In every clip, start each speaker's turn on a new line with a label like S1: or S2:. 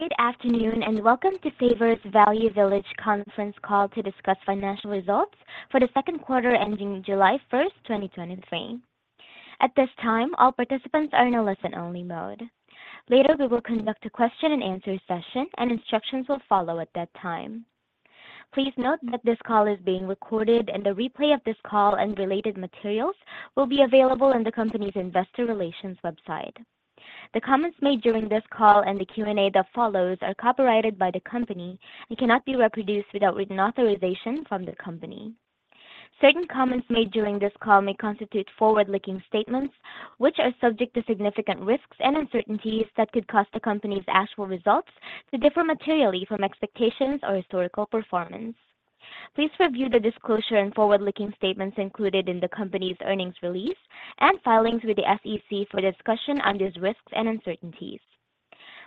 S1: Good afternoon, welcome to Savers Value Village conference call to discuss financial results for the second quarter ending July first, 2023. At this time, all participants are in a listen-only mode. Later, we will conduct a question and answer session, and instructions will follow at that time. Please note that this call is being recorded, and the replay of this call and related materials will be available in the company's investor relations website. The comments made during this call and the Q&A that follows are copyrighted by the company and cannot be reproduced without written authorization from the company. Certain comments made during this call may constitute forward-looking statements, which are subject to significant risks and uncertainties that could cause the company's actual results to differ materially from expectations or historical performance. Please review the disclosure and forward-looking statements included in the company's earnings release and filings with the SEC for a discussion on these risks and uncertainties.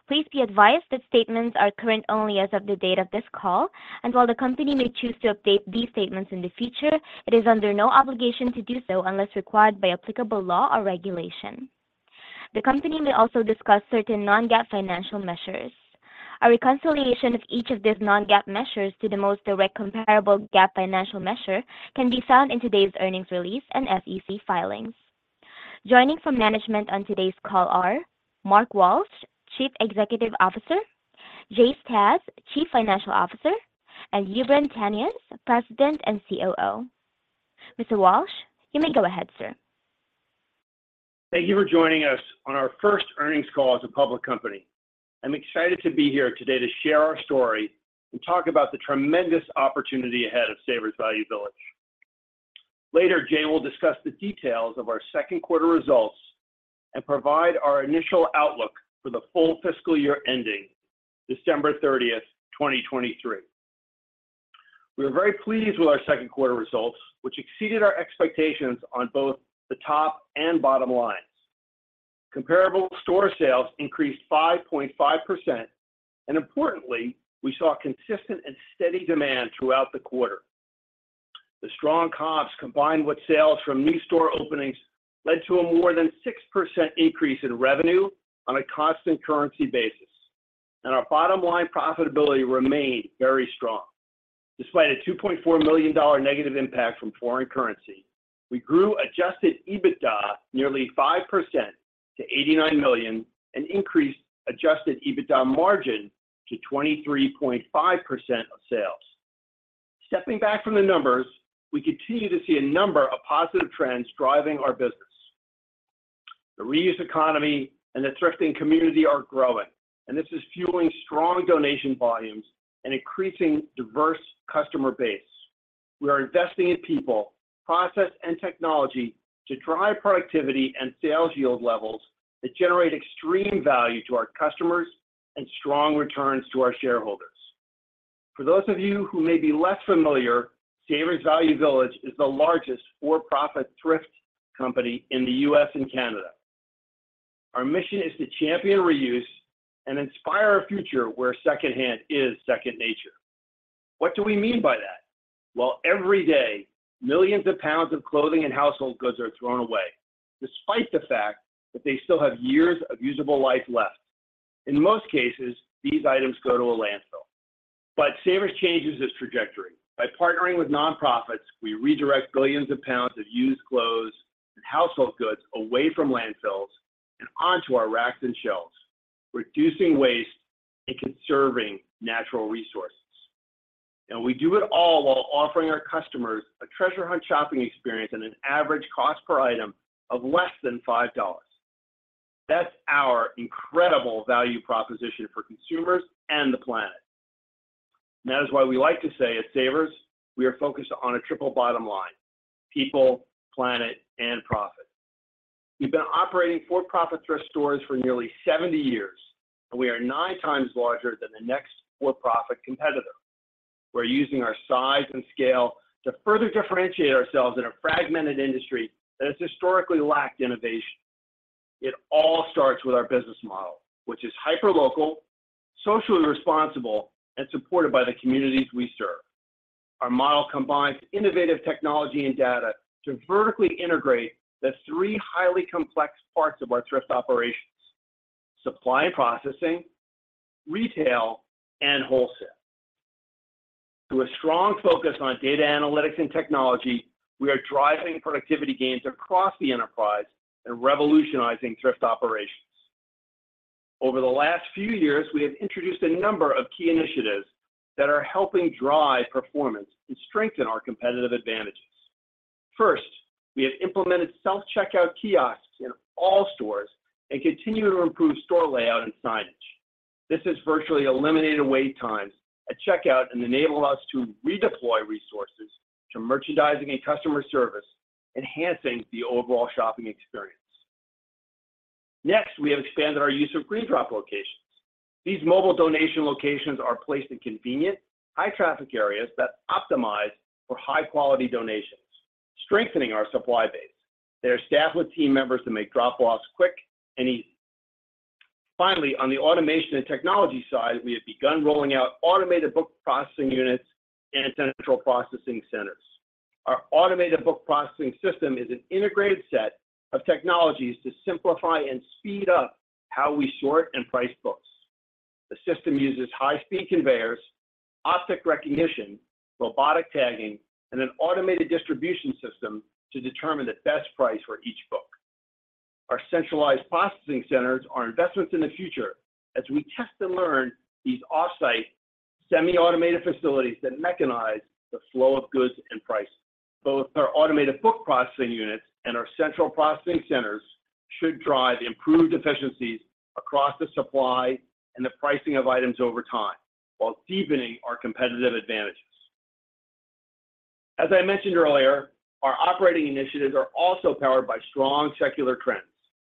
S1: Please be advised that statements are current only as of the date of this call, and while the company may choose to update these statements in the future, it is under no obligation to do so unless required by applicable law or regulation. The company may also discuss certain non-GAAP financial measures. A reconciliation of each of these non-GAAP measures to the most direct comparable GAAP financial measure can be found in today's earnings release and SEC filings. Joining from management on today's call are Mark Walsh, Chief Executive Officer, Jay Stasz, Chief Financial Officer, and Jubran Tanious, President and COO. Mr. Walsh, you may go ahead, sir.
S2: Thank you for joining us on our 1st earnings call as a public company. I'm excited to be here today to share our story and talk about the tremendous opportunity ahead of Savers Value Village. Later, Jay will discuss the details of our 2nd quarter results and provide our initial outlook for the full fiscal year ending December 30, 2023. We are very pleased with our 2nd quarter results, which exceeded our expectations on both the top and bottom lines. Comparable store sales increased 5.5%, importantly, we saw consistent and steady demand throughout the quarter. The strong comps, combined with sales from new store openings, led to a more than 6% increase in revenue on a constant currency basis, our bottom line profitability remained very strong. Despite a $2.4 million negative impact from foreign currency, we grew adjusted EBITDA nearly 5% to $89 million and increased adjusted EBITDA margin to 23.5% of sales. Stepping back from the numbers, we continue to see a number of positive trends driving our business. The reuse economy and the thrifting community are growing, and this is fueling strong donation volumes and increasing diverse customer base. We are investing in people, process, and technology to drive productivity and sales yield levels that generate extreme value to our customers and strong returns to our shareholders. For those of you who may be less familiar, Savers Value Village is the largest for-profit thrift company in the U.S. and Canada. Our mission is to champion reuse and inspire a future where secondhand is second nature. What do we mean by that? Well, every day, millions of pounds of clothing and household goods are thrown away, despite the fact that they still have years of usable life left. In most cases, these items go to a landfill. Savers changes this trajectory. By partnering with nonprofits, we redirect billions of pounds of used clothes and household goods away from landfills and onto our racks and shelves, reducing waste and conserving natural resources. We do it all while offering our customers a treasure hunt shopping experience and an average cost per item of less than $5. That's our incredible value proposition for consumers and the planet. That is why we like to say at Savers, we are focused on a triple bottom line: people, planet, and profit. We've been operating for-profit thrift stores for nearly 70 years, and we are nine times larger than the next for-profit competitor. We're using our size and scale to further differentiate ourselves in a fragmented industry that has historically lacked innovation. It all starts with our business model, which is hyperlocal, socially responsible, and supported by the communities we serve. Our model combines innovative technology and data to vertically integrate the three highly complex parts of our thrift operations: supply and processing, retail, and wholesale. Through a strong focus on data analytics and technology, we are driving productivity gains across the enterprise and revolutionizing thrift operations. Over the last few years, we have introduced a number of key initiatives that are helping drive performance and strengthen our competitive advantages. First, we have implemented self-checkout kiosks in all stores and continue to improve store layout and signage. This has virtually eliminated wait times at checkout and enabled us to redeploy resources to merchandising and customer service, enhancing the overall shopping experience. Next, we have expanded our use of GreenDrop locations. These mobile donation locations are placed in convenient, high traffic areas that optimize for high-quality donations, strengthening our supply base. They are staffed with team members to make drop-offs quick and easy. Finally, on the automation and technology side, we have begun rolling out automated book processing units and Central Processing Centers. Our automated book processing system is an integrated set of technologies to simplify and speed up how we sort and price books. The system uses high-speed conveyors, optic recognition, robotic tagging, and an automated distribution system to determine the best price for each book. Our Central Processing Centers are investments in the future as we test and learn these off-site, semi-automated facilities that mechanize the flow of goods and pricing. Both our automated book processing units and our Central Processing Centers should drive improved efficiencies across the supply and the pricing of items over time, while deepening our competitive advantages. As I mentioned earlier, our operating initiatives are also powered by strong secular trends,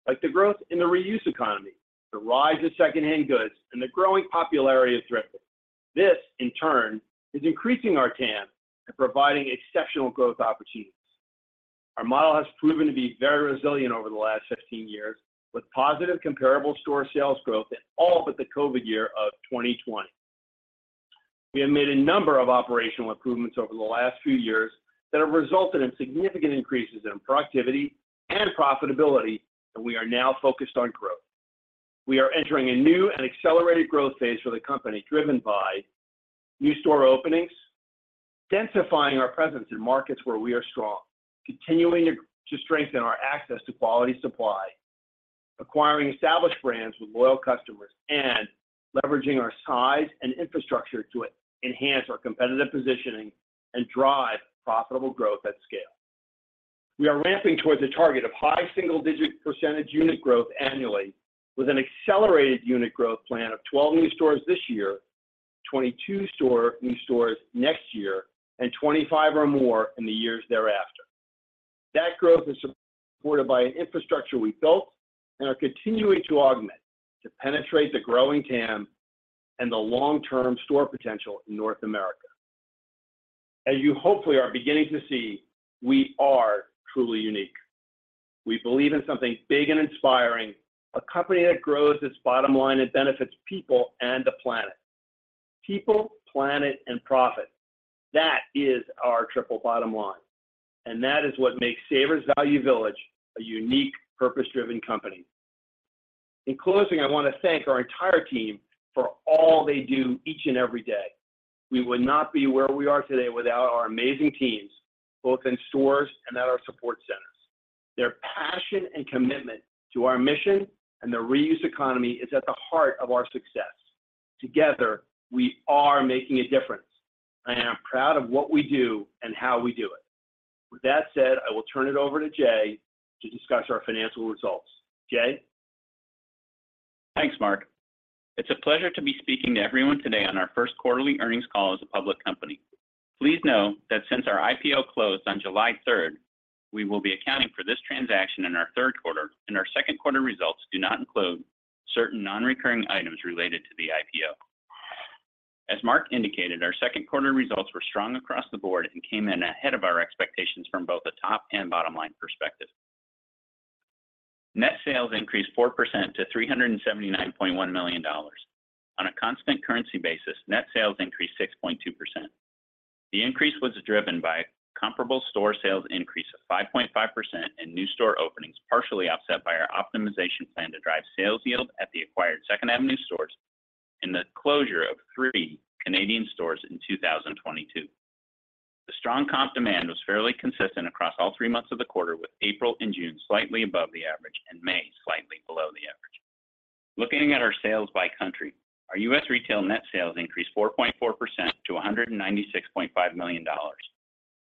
S2: like the growth in the reuse economy, the rise of secondhand goods, and the growing popularity of thrifting. This, in turn, is increasing our TAM and providing exceptional growth opportunities. Our model has proven to be very resilient over the last 16 years, with positive comparable store sales growth in all but the COVID year of 2020. We have made a number of operational improvements over the last few years that have resulted in significant increases in productivity and profitability, and we are now focused on growth. We are entering a new and accelerated growth phase for the company, driven by new store openings, densifying our presence in markets where we are strong, continuing to strengthen our access to quality supply, acquiring established brands with loyal customers, and leveraging our size and infrastructure to enhance our competitive positioning and drive profitable growth at scale. We are ramping towards a target of high single-digit % unit growth annually, with an accelerated unit growth plan of 12 new stores this year, 22 new stores next year, and 25 or more in the years thereafter. That growth is supported by an infrastructure we built and are continuing to augment to penetrate the growing TAM and the long-term store potential in North America. As you hopefully are beginning to see, we are truly unique. We believe in something big and inspiring, a company that grows its bottom line and benefits people and the planet. People, planet, and profit, that is our triple bottom line, and that is what makes Savers Value Village a unique, purpose-driven company. In closing, I want to thank our entire team for all they do each and every day. We would not be where we are today without our amazing teams, both in stores and at our support centers. Their passion and commitment to our mission and the reuse economy is at the heart of our success. Together, we are making a difference, and I am proud of what we do and how we do it. With that said, I will turn it over to Jay to discuss our financial results. Jay?
S3: Thanks, Mark. It's a pleasure to be speaking to everyone today on our first quarterly earnings call as a public company. Please know that since our IPO closed on July third, we will be accounting for this transaction in our third quarter, and our second quarter results do not include certain non-recurring items related to the IPO. As Mark indicated, our second quarter results were strong across the board and came in ahead of our expectations from both a top and bottom line perspective. Net sales increased 4% to $379.1 million. On a constant currency basis, net sales increased 6.2%. The increase was driven by comparable store sales increase of 5.5% and new store openings, partially offset by our optimization plan to drive sales yield at the acquired 2nd Avenue stores and the closure of 3 Canadian stores in 2022. The strong comp demand was fairly consistent across all 3 months of the quarter, with April and June slightly above the average and May slightly below the average. Looking at our sales by country, our U.S. retail net sales increased 4.4% to $196.5 million.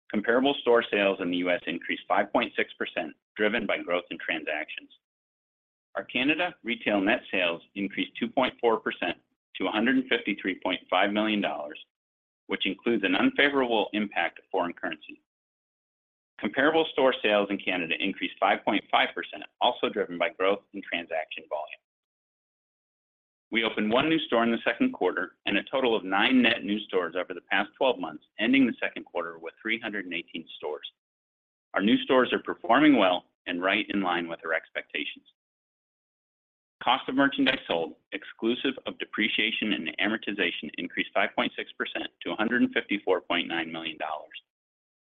S3: Comparable store sales in the U.S. increased 5.6%, driven by growth in transactions. Our Canada retail net sales increased 2.4% to $153.5 million, which includes an unfavorable impact of foreign currency. Comparable store sales in Canada increased 5.5%, also driven by growth in transaction volume. We opened one new store in the second quarter and a total of nine net new stores over the past 12 months, ending the second quarter with 318 stores. Our new stores are performing well and right in line with our expectations. Cost of merchandise sold, exclusive of depreciation and amortization, increased 5.6% to $154.9 million.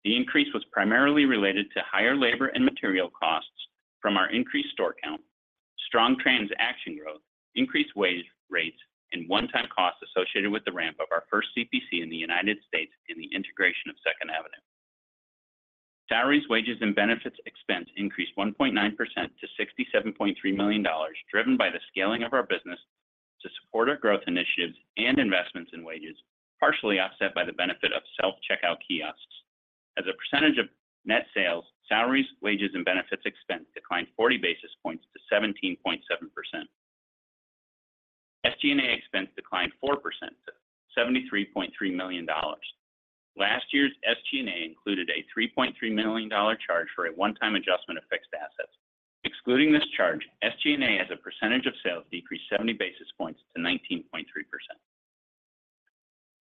S3: The increase was primarily related to higher labor and material costs from our increased store count, strong transaction growth, increased wage rates, and one-time costs associated with the ramp of our first CPC in the United States and the integration of 2nd Avenue. Salaries, wages, and benefits expense increased 1.9% to $67.3 million, driven by the scaling of our business to support our growth initiatives and investments in wages, partially offset by the benefit of self-checkout kiosks. As a percentage of net sales, salaries, wages, and benefits expense declined 40 basis points to 17.7%. SG&A expense declined 4% to $73.3 million. Last year's SG&A included a $3.3 million charge for a one-time adjustment of fixed assets. Excluding this charge, SG&A, as a percentage of sales, decreased 70 basis points to 19.3%.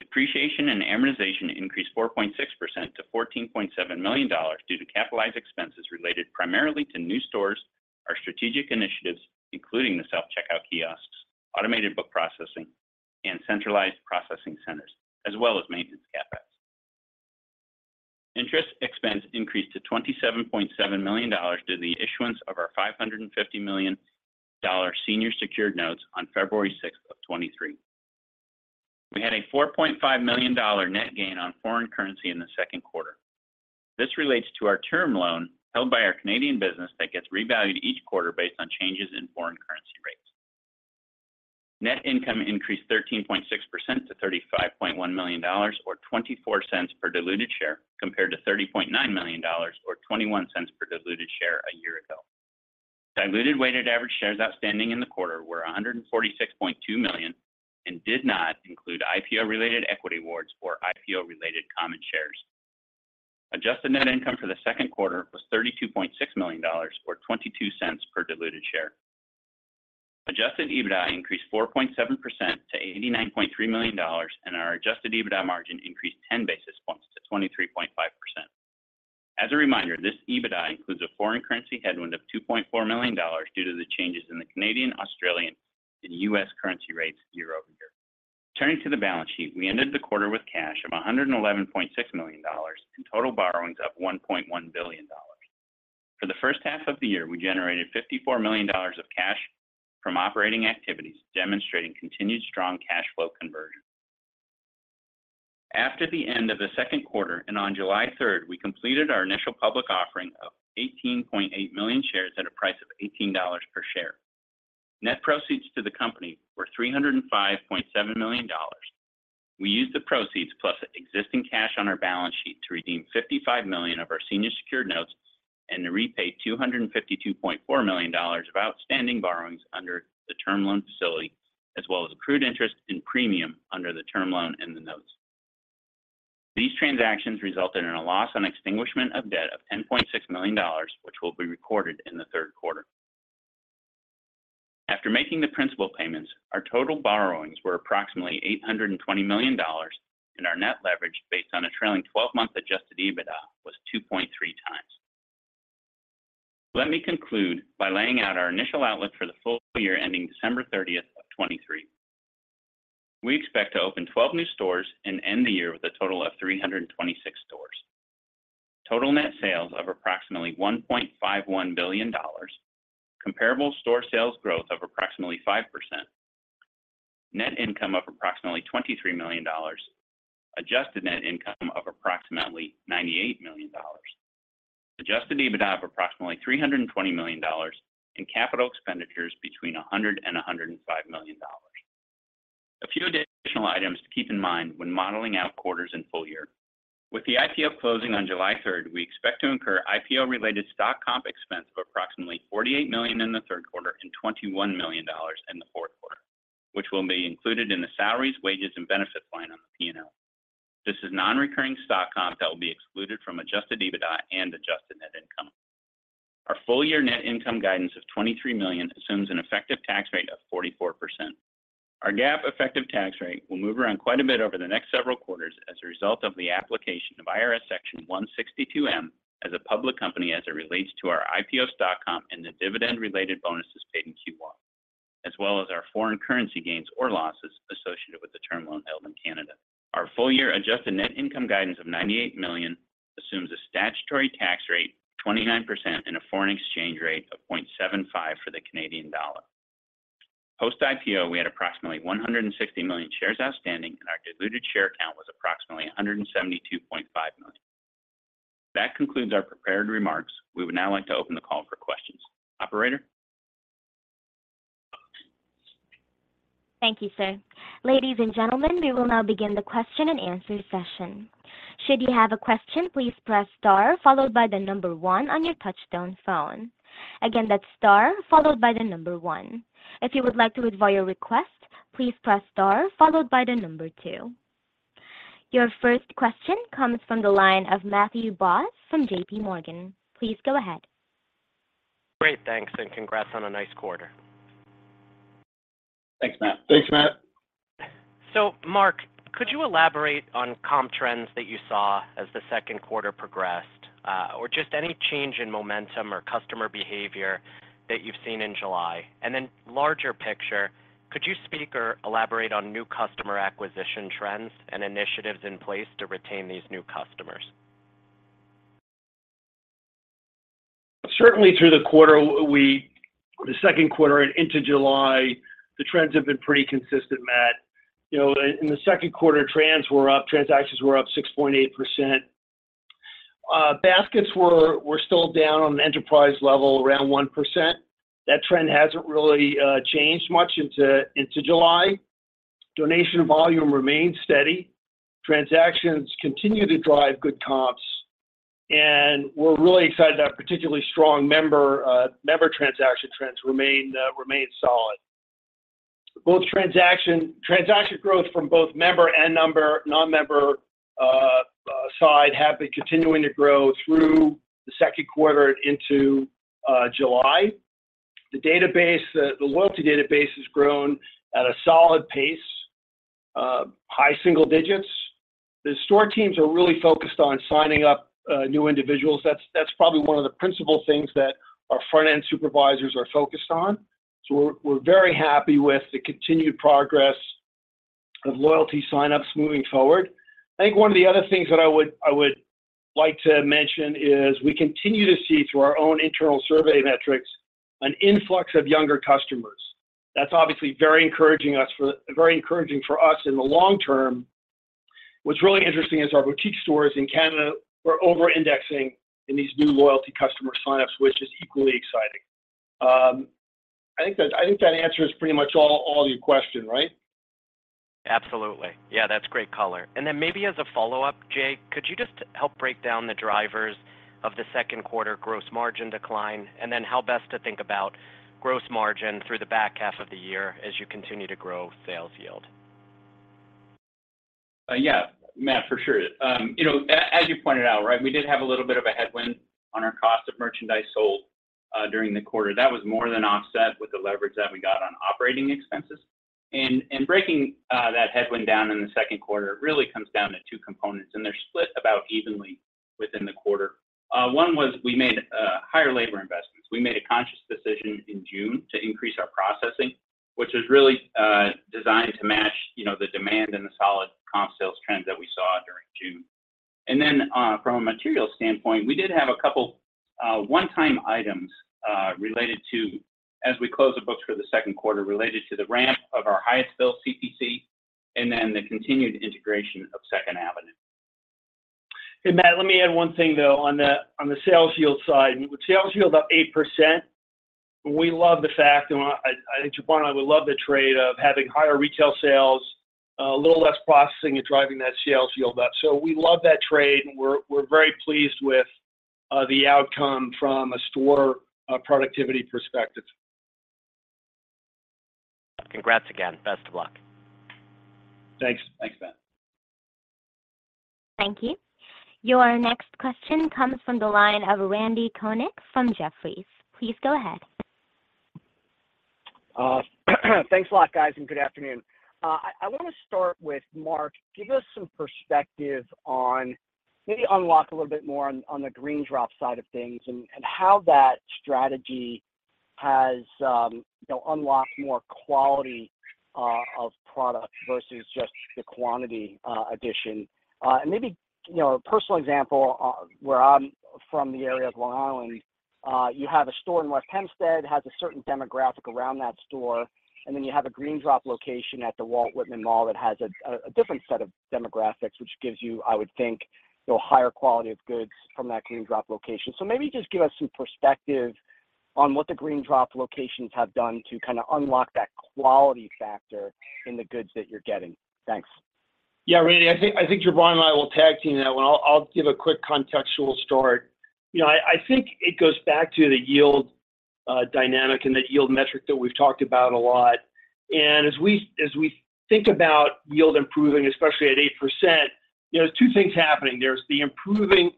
S3: Depreciation and amortization increased 4.6% to $14.7 million due to capitalized expenses related primarily to new stores-... Our strategic initiatives, including the self-checkout kiosks, automated book processing units, and Central Processing Centers, as well as maintenance CapEx. Interest expense increased to $27.7 million due to the issuance of our $550 million senior secured notes on February 6, 2023. We had a $4.5 million net gain on foreign currency in the second quarter. This relates to our term loan held by our Canadian business that gets revalued each quarter based on changes in foreign currency rates. Net income increased 13.6% to $35.1 million, or $0.24 per diluted share, compared to $30.9 million, or $0.21 per diluted share a year ago. Diluted weighted average shares outstanding in the quarter were 146.2 million and did not include IPO-related equity awards or IPO-related common shares. Adjusted net income for the second quarter was $32.6 million or $0.22 per diluted share. Adjusted EBITDA increased 4.7% to $89.3 million. Our adjusted EBITDA margin increased 10 basis points to 23.5%. As a reminder, this EBITDA includes a foreign currency headwind of $2.4 million due to the changes in the Canadian, Australian, and U.S. currency rates year-over-year. Turning to the balance sheet, we ended the quarter with cash of $111.6 million. Total borrowings of $1.1 billion. For the first half of the year, we generated $54 million of cash from operating activities, demonstrating continued strong cash flow conversion. After the end of the second quarter, and on July 3rd, we completed our initial public offering of 18.8 million shares at a price of $18 per share. Net proceeds to the company were $305.7 million. We used the proceeds, plus existing cash on our balance sheet, to redeem $55 million of our senior secured notes and to repay $252.4 million of outstanding borrowings under the term loan facility, as well as accrued interest and premium under the term loan and the notes. These transactions resulted in a loss on extinguishment of debt of $10.6 million, which will be recorded in the third quarter. After making the principal payments, our total borrowings were approximately $820 million, and our net leverage, based on a trailing twelve-month adjusted EBITDA, was 2.3 times. Let me conclude by laying out our initial outlook for the full year ending December 30th of 2023. We expect to open 12 new stores and end the year with a total of 326 stores. Total net sales of approximately $1.51 billion. Comparable store sales growth of approximately 5%. Net income of approximately $23 million. Adjusted net income of approximately $98 million. Adjusted EBITDA of approximately $320 million, and capital expenditures between $100 million and $105 million. A few additional items to keep in mind when modeling out quarters and full year. With the IPO closing on July third, we expect to incur IPO-related stock comp expense of approximately $48 million in the third quarter and $21 million in the fourth quarter, which will be included in the salaries, wages, and benefits line on the P&L. This is non-recurring stock comp that will be excluded from adjusted EBITDA and adjusted net income. Our full-year net income guidance of $23 million assumes an effective tax rate of 44%. Our GAAP effective tax rate will move around quite a bit over the next several quarters as a result of the application of IRS Section 162(m) as a public company as it relates to our IPO stock comp and the dividend-related bonuses paid in Q1, as well as our foreign currency gains or losses associated with the term loan held in Canada. Our full-year adjusted net income guidance of $98 million assumes a statutory tax rate of 29% and a foreign exchange rate of 0.75 for the Canadian dollar. Post-IPO, we had approximately 160 million shares outstanding, and our diluted share count was approximately 172.5 million. That concludes our prepared remarks. We would now like to open the call for questions. Operator?
S1: Thank you, sir. Ladies and gentlemen, we will now begin the question and answer session. Should you have a question, please press star followed by the number 1 on your touchtone phone. Again, that's star followed by the number 1. If you would like to withdraw your request, please press star followed by the number 2. Your first question comes from the line of Matthew Boss from J.P. Morgan. Please go ahead.
S4: Great, thanks, and congrats on a nice quarter.
S3: Thanks, Matt.
S2: Thanks, Matt.
S4: Mark, could you elaborate on comp trends that you saw as the second quarter progressed, or just any change in momentum or customer behavior that you've seen in July? Larger picture, could you speak or elaborate on new customer acquisition trends and initiatives in place to retain these new customers?
S2: Certainly through the quarter, the second quarter and into July, the trends have been pretty consistent, Matt. You know, in, in the second quarter, trends were up, transactions were up 6.8%. Baskets were, were still down on the enterprise level, around 1%. That trend hasn't really changed much into, into July. Donation volume remains steady. Transactions continue to drive good comps, and we're really excited that particularly strong member transaction trends remain remain solid. Both transaction, transaction growth from both member and number-- non-member side have been continuing to grow through the second quarter into July. The database, the loyalty database has grown at a solid pace, high single digits. The store teams are really focused on signing up new individuals. That's, that's probably one of the principal things that our front-end supervisors are focused on. We're, we're very happy with the continued progress of loyalty sign-ups moving forward. I think one of the other things that I would, I would like to mention is, we continue to see through our own internal survey metrics, an influx of younger customers. That's obviously very encouraging for us in the long term. What's really interesting is our boutique stores in Canada were over-indexing in these new loyalty customer sign-ups, which is equally exciting. I think that, I think that answers pretty much all, all your question, right?
S4: Absolutely. Yeah, that's great color. Then maybe as a follow-up, Jay, could you just help break down the drivers of the second quarter gross margin decline, and then how best to think about gross margin through the back half of the year as you continue to grow sales yield?
S3: Yeah, Matt, for sure. You know, as you pointed out, right, we did have a little bit of a headwind on our cost of merchandise sold during the quarter. That was more than offset with the leverage that we got on operating expenses. Breaking that headwind down in the 2nd quarter, it really comes down to two components, and they're split about evenly within the quarter. One was, we made higher labor investments. We made a conscious decision in June to increase our processing, which is really designed to match, you know, the demand and the solid comp sales trends that we saw during June. From a material standpoint, we did have a couple one-time items related to... as we closed the books for the second quarter, related to the ramp of our Hyattsville CPC, and then the continued integration of 2nd Avenue.
S2: Matt, let me add one thing, though, on the, on the sales yield side. With sales yield up 8%, we love the fact, and I, I think Jubran and I would love the trade of having higher retail sales, a little less processing and driving that sales yield up. We love that trade, and we're, we're very pleased with the outcome from a store productivity perspective.
S4: Congrats again. Best of luck.
S3: Thanks. Thanks, Matt.
S1: Thank you. Your next question comes from the line of Randal Konik from Jefferies. Please go ahead.
S5: Thanks a lot, guys, and good afternoon. I, I wanna start with Mark. Give us some perspective on... maybe unlock a little bit more on, on the GreenDrop side of things, and, and how that strategy has, you know, unlocked more quality of product versus just the quantity addition. Maybe, you know, a personal example, where I'm from the area of Long Island, you have a store in West Hempstead, has a certain demographic around that store. Then you have a GreenDrop location at the Walt Whitman Mall that has a, a, a different set of demographics, which gives you, I would think, you know, higher quality of goods from that GreenDrop location. Maybe just give us some perspective on what the GreenDrop locations have done to kind of unlock that quality factor in the goods that you're getting. Thanks.
S2: Yeah, Randy, I think Jubran and I will tag team that one. I'll give a quick contextual start. You know, I think it goes back to the yield dynamic and the yield metric that we've talked about a lot. As we think about yield improving, especially at 8%, there are two things happening. There's the improvement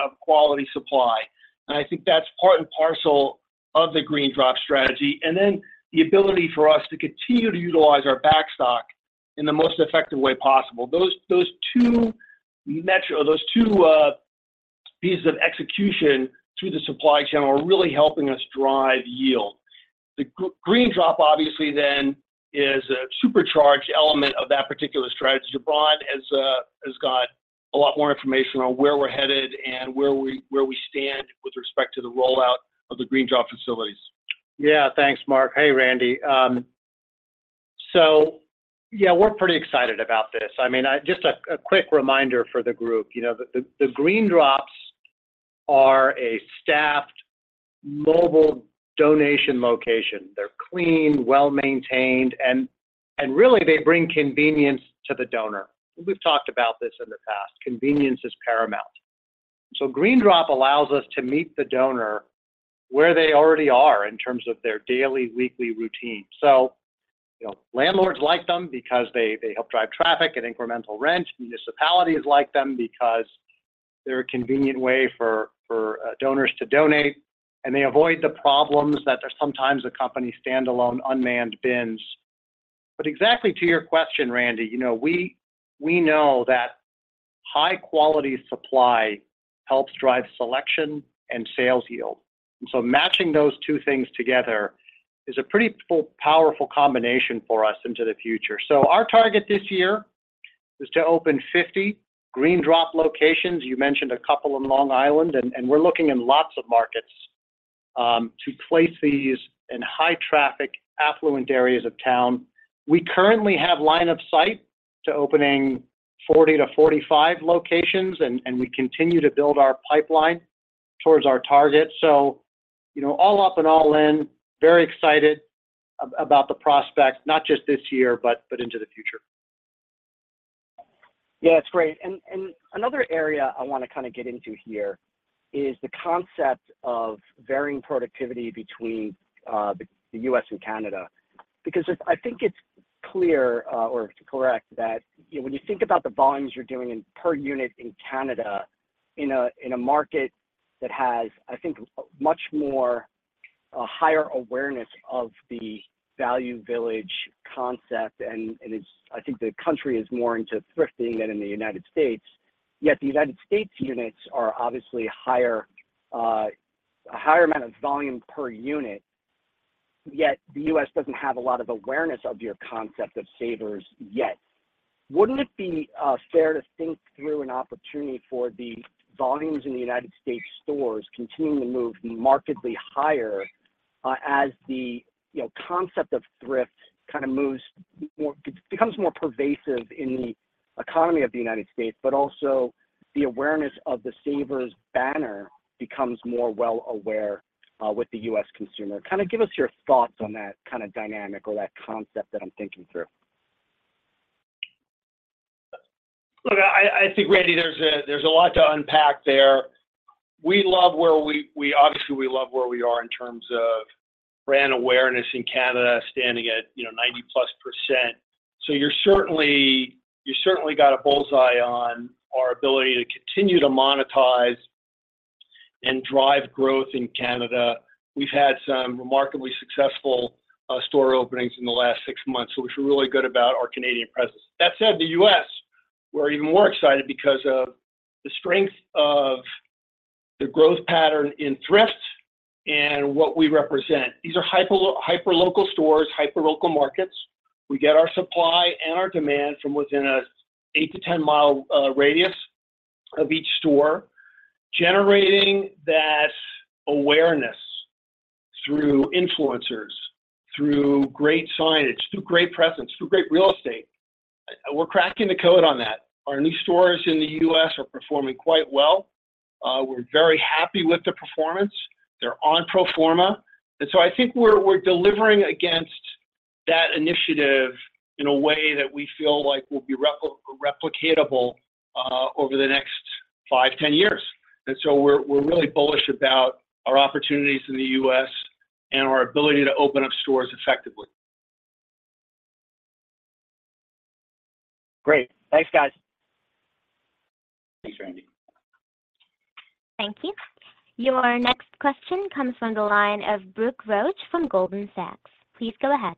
S2: of quality supply, and I think that's part and parcel of the Green Drop strategy, and then the ability for us to continue to utilize our backstock in the most effective way possible. Those two pieces of execution through the supply chain are really helping us drive yield. The Green Drop, obviously, then, is a supercharged element of that particular strategy. Jubran has, has got a lot more information on where we're headed and where we, where we stand with respect to the rollout of the GreenDrop facilities.
S6: Yeah, thanks, Mark. Hey, Randy. Yeah, we're pretty excited about this. I mean, just a quick reminder for the group, you know, the GreenDrops are a staffed mobile donation location. They're clean, well-maintained, and really, they bring convenience to the donor. We've talked about this in the past. Convenience is paramount. GreenDrop allows us to meet the donor where they already are in terms of their daily, weekly routine. You know, landlords like them because they help drive traffic and incremental rent. Municipalities like them because they're a convenient way for donors to donate, and they avoid the problems that are sometimes accompany standalone unmanned bins. Exactly to your question, Randy, you know, we know that high-quality supply helps drive selection and sales yield. Matching those two things together is a pretty full powerful combination for us into the future. Our target this year is to open 50 Green Drop locations. You mentioned a couple in Long Island, and we're looking in lots of markets to place these in high-traffic, affluent areas of town. We currently have line of sight to opening 40 to 45 locations, and we continue to build our pipeline towards our target. You know, all up and all in, very excited about the prospects, not just this year, but into the future.
S5: Yeah, it's great. Another area I wanna kinda get into here is the concept of varying productivity between the U.S. and Canada, because I think it's clear or correct, that, you know, when you think about the volumes you're doing in per unit in Canada, in a, in a market that has, I think, a higher awareness of the Value Village concept, and, and it's, I think the country is more into thrifting than in the United States. Yet the United States units are obviously higher, a higher amount of volume per unit, yet the U.S. doesn't have a lot of awareness of your concept of Savers yet. Wouldn't it be fair to think through an opportunity for the volumes in the United States stores continuing to move markedly higher, as the, you know, concept of thrift kind of moves more-- it becomes more pervasive in the economy of the United States, but also the awareness of the Savers banner becomes more well aware, with the US consumer? Kind of give us your thoughts on that kind of dynamic or that concept that I'm thinking through.
S2: Look, I, I think, Randy, there's a, there's a lot to unpack there. We love where we obviously, we love where we are in terms of brand awareness in Canada, standing at, you know, 90%+. You're certainly, you certainly got a bull's-eye on our ability to continue to monetize and drive growth in Canada. We've had some remarkably successful store openings in the last six months, so we feel really good about our Canadian presence. That said, the US, we're even more excited because of the strength of the growth pattern in thrift and what we represent. These are hyper local stores, hyper local markets. We get our supply and our demand from within a 8-to-10-mile radius of each store, generating that awareness through influencers, through great signage, through great presence, through great real estate. We're cracking the code on that. Our new stores in the US are performing quite well. We're very happy with the performance. They're on pro forma, I think we're, we're delivering against that initiative in a way that we feel like will be repli- replicatable over the next 5, 10 years. We're, we're really bullish about our opportunities in the US and our ability to open up stores effectively.
S5: Great. Thanks, guys.
S2: Thanks, Randy.
S1: Thank you. Your next question comes from the line of Brooke Roach from Goldman Sachs. Please go ahead.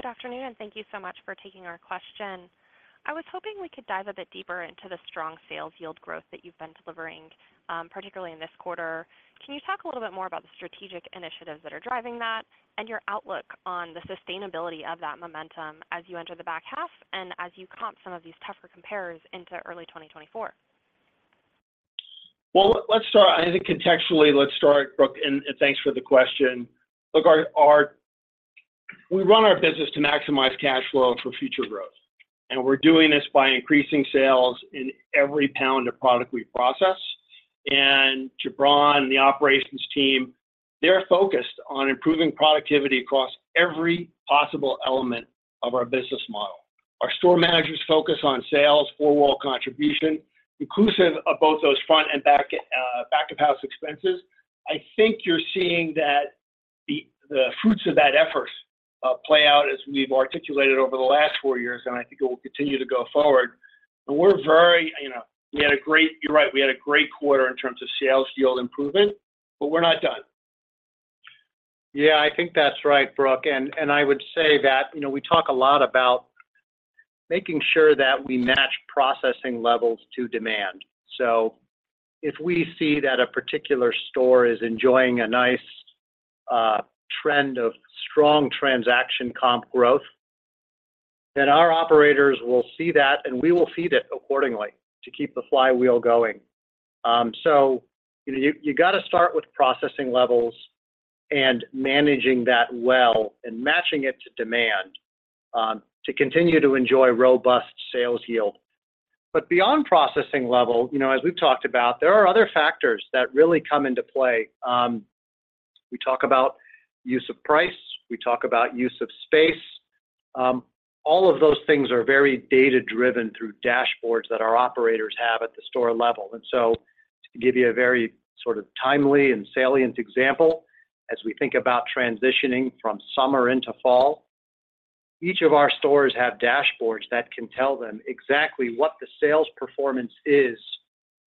S7: Good afternoon, thank you so much for taking our question. I was hoping we could dive a bit deeper into the strong sales yield growth that you've been delivering, particularly in this quarter. Can you talk a little bit more about the strategic initiatives that are driving that, your outlook on the sustainability of that momentum as you enter the back half, and as you comp some of these tougher compares into early 2024?
S2: Well, let's start... I think contextually, let's start, Brooke, thanks for the question. Look, we run our business to maximize cash flow for future growth, and we're doing this by increasing sales in every pound of product we process. Jubran and the operations team, they're focused on improving productivity across every possible element of our business model. Our store managers focus on sales, four-wall contribution, inclusive of both those front and back, back-of-house expenses. I think you're seeing that the fruits of that efforts play out as we've articulated over the last four years, and I think it will continue to go forward. You know, you're right, we had a great quarter in terms of sales yield improvement, but we're not done. Yeah, I think that's right, Brooke, and, and I would say that, you know, we talk a lot about making sure that we match processing levels to demand. If we see that a particular store is enjoying a nice trend of strong transaction comp growth, then our operators will see that, and we will feed it accordingly to keep the flywheel going. You, you gotta start with processing levels and managing that well and matching it to demand to continue to enjoy robust sales yield. Beyond processing level, you know, as we've talked about, there are other factors that really come into play. We talk about use of price, we talk about use of space. All of those things are very data-driven through dashboards that our operators have at the store level. So, to give you a very sort of timely and salient example, as we think about transitioning from summer into fall, each of our stores have dashboards that can tell them exactly what the sales performance is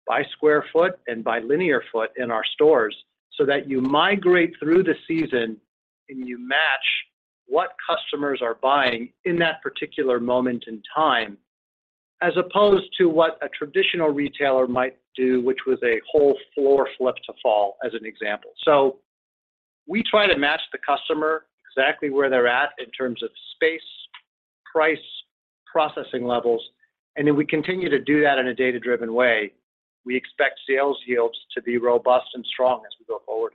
S2: by square foot and by linear foot in our stores, so that you migrate through the season, and you match what customers are buying in that particular moment in time, as opposed to what a traditional retailer might do, which was a whole floor flip to fall, as an example. We try to match the customer exactly where they're at in terms of space, price, processing levels, and then we continue to do that in a data-driven way. We expect sales yields to be robust and strong as we go forward.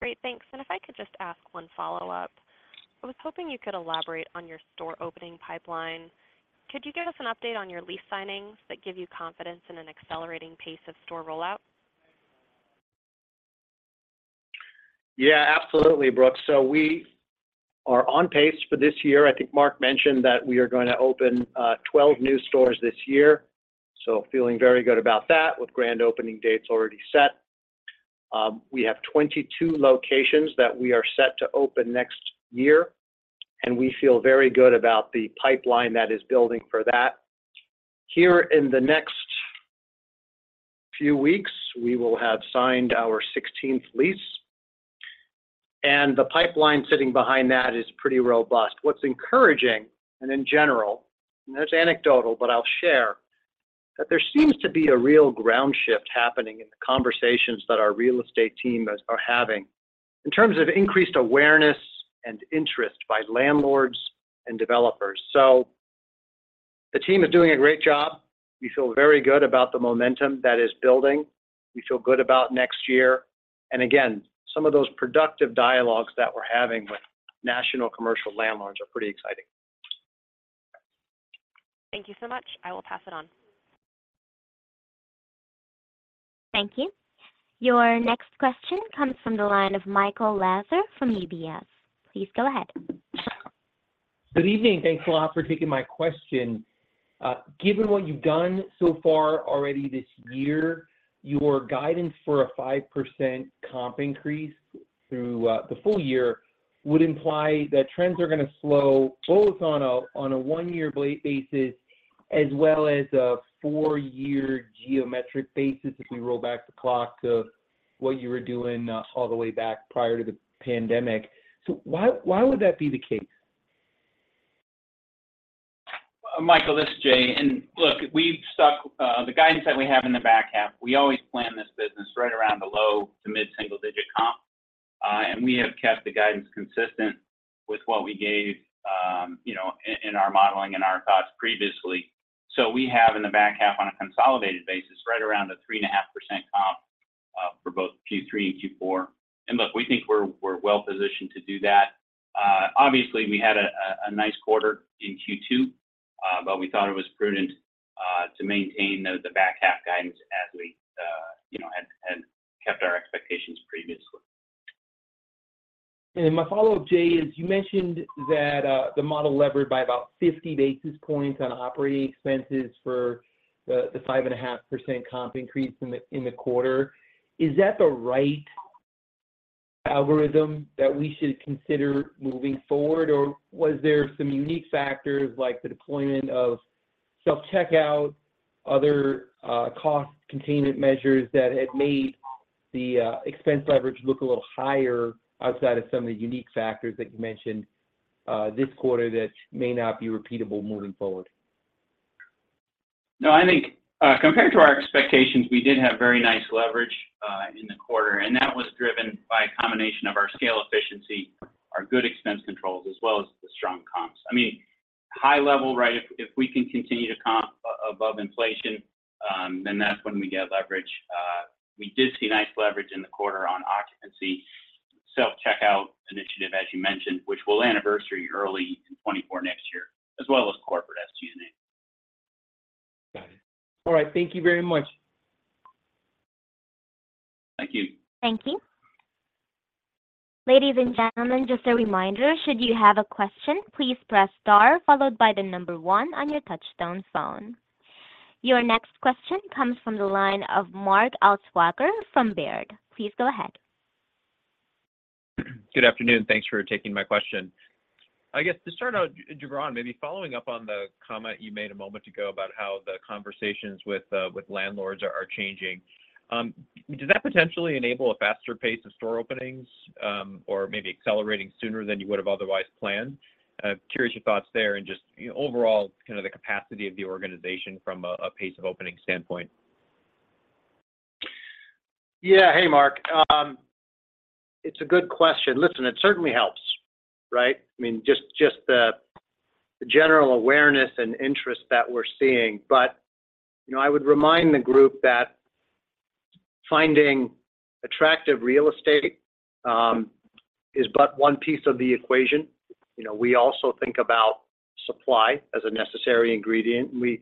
S7: Great, thanks. If I could just ask one follow-up. I was hoping you could elaborate on your store opening pipeline. Could you give us an update on your lease signings that give you confidence in an accelerating pace of store rollout?
S2: Yeah, absolutely, Brooke. We are on pace for this year. I think Mark mentioned that we are going to open 12 new stores this year, feeling very good about that, with grand opening dates already set. We have 22 locations that we are set to open next year. We feel very good about the pipeline that is building for that.
S6: Here in the next few weeks, we will have signed our 16th lease. The pipeline sitting behind that is pretty robust. What's encouraging, and in general, and it's anecdotal, but I'll share, that there seems to be a real ground shift happening in the conversations that our real estate team are having, in terms of increased awareness and interest by landlords and developers. The team is doing a great job. We feel very good about the momentum that is building. We feel good about next year. Again, some of those productive dialogues that we're having with national commercial landlords are pretty exciting.
S7: Thank you so much. I will pass it on.
S1: Thank you. Your next question comes from the line of Michael Lasser from UBS. Please go ahead.
S8: Good evening. Thanks a lot for taking my question. Given what you've done so far already this year, your guidance for a 5% comp increase through the full year would imply that trends are gonna slow, both on a, on a 1-year basis, as well as a 4-year geometric basis, if we roll back the clock to what you were doing, all the way back prior to the pandemic. Why, why would that be the case?
S3: Michael, this is Jay, look, the guidance that we have in the back half, we always plan this business right around the low to mid-single-digit comp. We have kept the guidance consistent with what we gave, you know, in our modeling and our thoughts previously. We have, in the back half on a consolidated basis, right around a 3.5% comp for both Q3 and Q4. Look, we think we're well positioned to do that. Obviously, we had a nice quarter in Q2, we thought it was prudent to maintain the back-half guidance as we, you know, had kept our expectations previously.
S8: My follow-up, Jay, is you mentioned that the model levered by about 50 basis points on operating expenses for the 5.5% comp increase in the quarter. Is that the right algorithm that we should consider moving forward, or was there some unique factors, like the deployment of self-checkout, other cost-containment measures that had made the expense leverage look a little higher outside of some of the unique factors that you mentioned this quarter that may not be repeatable moving forward?
S3: No, I think, compared to our expectations, we did have very nice leverage in the quarter. That was driven by a combination of our scale efficiency, our good expense controls, as well as the strong comps. I mean, high level, right, if we can continue to comp above inflation, then that's when we get leverage. We did see nice leverage in the quarter on occupancy, self-checkout initiative, as you mentioned, which will anniversary early in 2024 next year, as well as corporate ST unit.
S8: Got it. All right, thank you very much.
S3: Thank you.
S1: Thank you. Ladies and gentlemen, just a reminder, should you have a question, please press star followed by the number 1 on your touchtone phone. Your next question comes from the line of Mark Altschwager from Baird. Please go ahead.
S9: Good afternoon. Thanks for taking my question. I guess to start out, Jubran, maybe following up on the comment you made a moment ago about how the conversations with, with landlords are, are changing. Does that potentially enable a faster pace of store openings, or maybe accelerating sooner than you would have otherwise planned? I'm curious your thoughts there and just, you know, overall, kind of the capacity of the organization from a, a pace-of-opening standpoint.
S6: Yeah. Hey, Mark. It's a good question. Listen, it certainly helps, right? I mean, just, just the, the general awareness and interest that we're seeing. You know, I would remind the group that finding attractive real estate is but one piece of the equation. You know, we also think about supply as a necessary ingredient. We,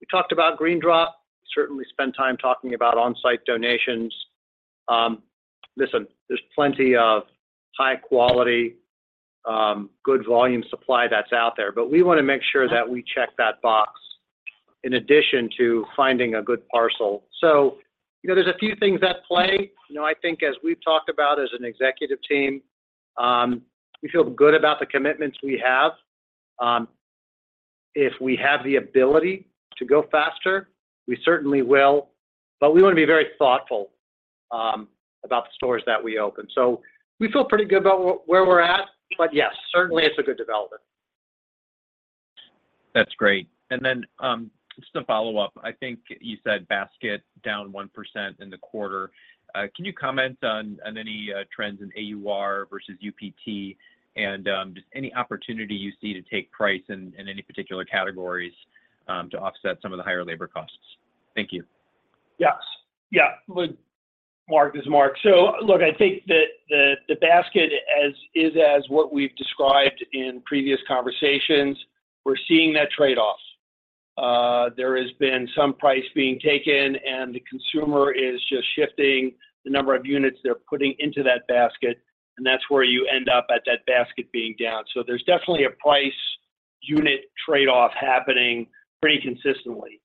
S6: we talked about GreenDrop, certainly spent time talking about on-site donations. Listen, there's plenty of high quality, good volume supply that's out there, but we wanna make sure that we check that box in addition to finding a good parcel. You know, there's a few things at play. You know, I think as we've talked about as an executive team, we feel good about the commitments we have. If we have the ability to go faster, we certainly will, but we wanna be very thoughtful about the stores that we open. We feel pretty good about where, where we're at. Yes, certainly it's a good development.
S9: That's great, just a follow-up. I think you said basket down 1% in the quarter. Can you comment on any trends in AUR versus UPT and just any opportunity you see to take price in any particular categories to offset some of the higher labor costs? Thank you.
S6: Yes. Yeah, look, Mark, this is Mark. Look, I think that the, the basket as is, as what we've described in previous conversations, we're seeing that trade-off. There has been some price being taken, and the consumer is just shifting the number of units they're putting into that basket, and that's where you end up at that basket being down. There's definitely a price-unit trade-off happening pretty consistently.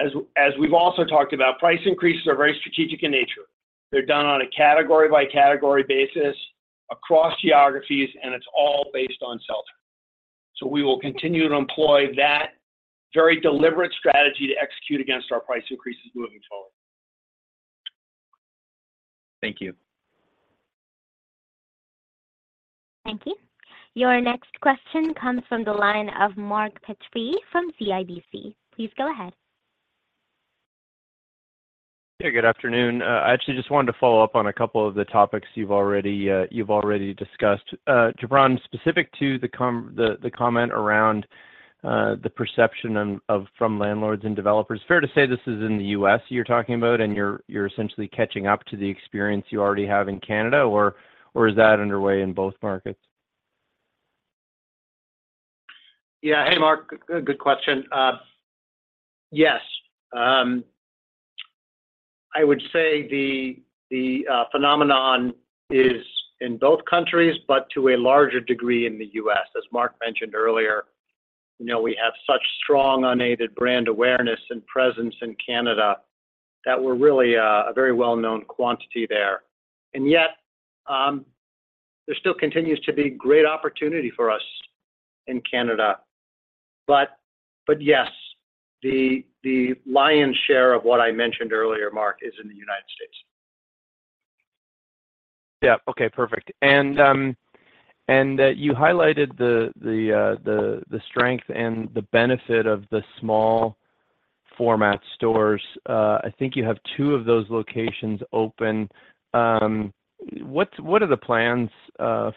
S6: As we've also talked about, price increases are very strategic in nature. They're done on a category-by-category basis....
S2: across geographies, and it's all based on sell-through. We will continue to employ that very deliberate strategy to execute against our price increases moving forward.
S9: Thank you.
S1: Thank you. Your next question comes from the line of Mark Petry from CIBC. Please go ahead.
S10: Yeah, good afternoon. I actually just wanted to follow up on a couple of the topics you've already discussed. Jubran, specific to the comment around the perception of from landlords and developers, fair to say this is in the US you're talking about, and you're, you're essentially catching up to the experience you already have in Canada, or, or is that underway in both markets?
S2: Yeah. Hey, Mark, good question. Yes, I would say the phenomenon is in both countries, but to a larger degree in the U.S. As Mark mentioned earlier, you know, we have such strong unaided brand awareness and presence in Canada, that we're really a very well-known quantity there. Yet, there still continues to be great opportunity for us in Canada. Yes, the lion's share of what I mentioned earlier, Mark, is in the United States.
S10: Yeah. Okay, perfect. You highlighted the strength and the benefit of the small format stores. I think you have 2 of those locations open. What are the plans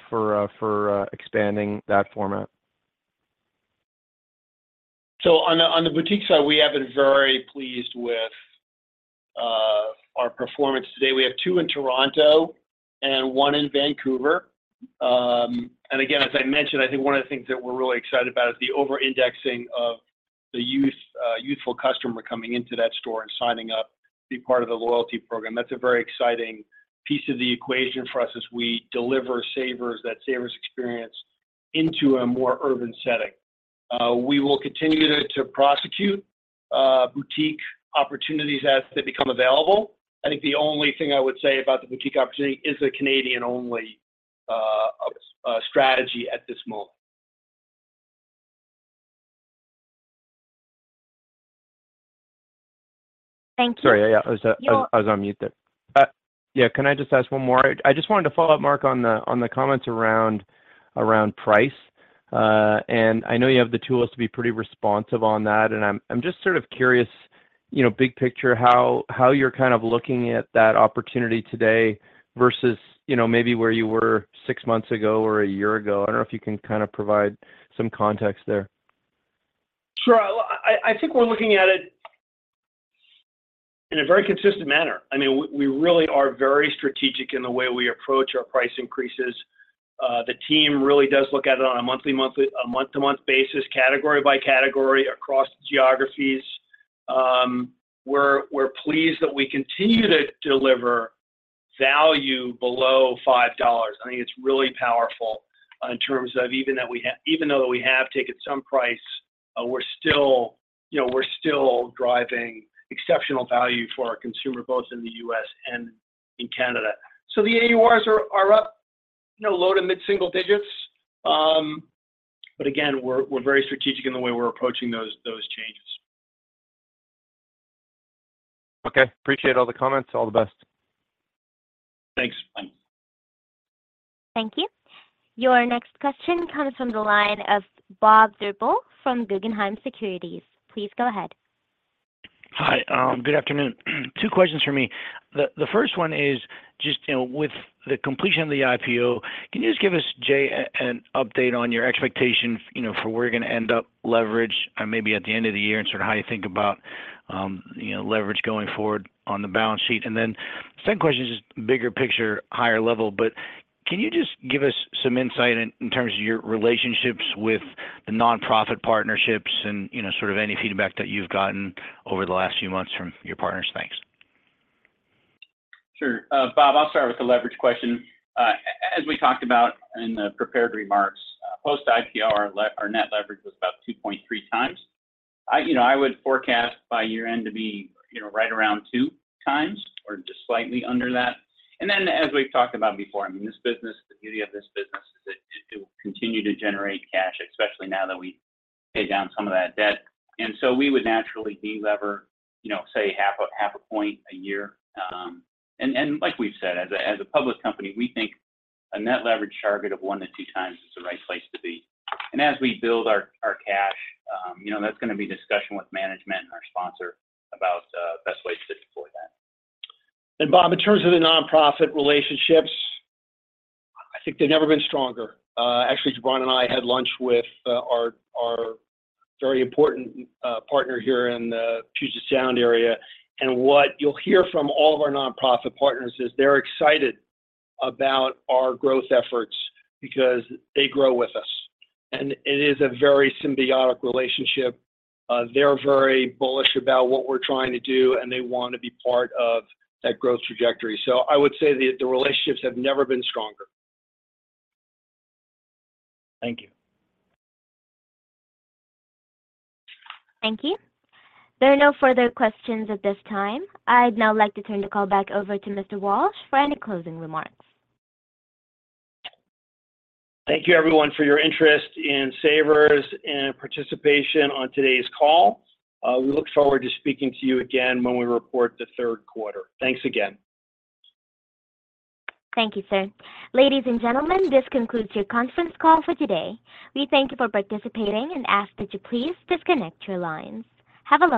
S10: for expanding that format?
S2: On the, on the boutique side, we have been very pleased with our performance. Today, we have 2 in Toronto and 1 in Vancouver. And again, as I mentioned, I think one of the things that we're really excited about is the over-indexing of the youth, youthful customer coming into that store and signing up to be part of the loyalty program. That's a very exciting piece of the equation for us as we deliver Savers, that Savers experience into a more urban setting. We will continue to prosecute boutique opportunities as they become available. I think the only thing I would say about the boutique opportunity is a Canadian-only strategy at this moment.
S1: Thank you.
S10: Sorry, yeah, yeah, I was, I was on mute there. Yeah, can I just ask one more? I just wanted to follow up, Mark, on the, on the comments around, around price. I know you have the tools to be pretty responsive on that, and I'm, I'm just sort of curious, you know, big picture, how, how you're kind of looking at that opportunity today versus, you know, maybe where you were 6 months ago or a 1 year ago. I don't know if you can kind of provide some context there.
S2: Sure. Well, I think we're looking at it in a very consistent manner. I mean, we, we really are very strategic in the way we approach our price increases. The team really does look at it on a month-to-month basis, category by category, across geographies. We're, we're pleased that we continue to deliver value below $5. I think it's really powerful in terms of even though we have taken some price, we're still, you know, we're still driving exceptional value for our consumer, both in the US and in Canada. The AURs are, are up, you know, low to mid-single digits. Again, we're, we're very strategic in the way we're approaching those, those changes.
S10: Okay, appreciate all the comments. All the best.
S2: Thanks. Bye.
S1: Thank you. Your next question comes from the line of Robert Drbul from Guggenheim Securities. Please go ahead.
S11: Hi, good afternoon. Two questions from me. The first one is just, you know, with the completion of the IPO, can you just give us, Jay, an update on your expectation, you know, for where you're gonna end up leveraged, maybe at the end of the year, and sort of how you think about, you know, leverage going forward on the balance sheet? The second question is just bigger picture, higher level, but can you just give us some insight in, in terms of your relationships with the nonprofit partnerships and, you know, sort of any feedback that you've gotten over the last few months from your partners? Thanks.
S3: Sure. Bob, I'll start with the leverage question. As we talked about in the prepared remarks, post-IPO, our net leverage was about 2.3 times. I, you know, I would forecast by year-end to be, you know, right around 2 times or just slightly under that. As we've talked about before, I mean, this business, the beauty of this business is that it, it will continue to generate cash, especially now that we've paid down some of that debt, and so we would naturally delever, you know, say, 0.5 point a year. Like we've said, as a public company, we think a net leverage target of 1-2 times is the right place to be. As we build our, our cash, you know, that's gonna be a discussion with management and our sponsor about the best ways to deploy that.
S2: Bob, in terms of the nonprofit relationships, I think they've never been stronger. Actually, Gibran and I had lunch with our, our very important partner here in the Puget Sound area, and what you'll hear from all of our nonprofit partners is they're excited about our growth efforts because they grow with us, and it is a very symbiotic relationship. They're very bullish about what we're trying to do, and they want to be part of that growth trajectory. I would say the, the relationships have never been stronger.
S11: Thank you.
S1: Thank you. There are no further questions at this time. I'd now like to turn the call back over to Mr. Walsh for any closing remarks.
S2: Thank you, everyone, for your interest in Savers and participation on today's call. We look forward to speaking to you again when we report the third quarter. Thanks again.
S1: Thank you, sir. Ladies and gentlemen, this concludes your conference call for today. We thank you for participating and ask that you please disconnect your lines. Have a lovely-